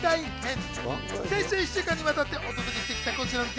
先週１週間に渡ってお届けしてきた、こちらの企画。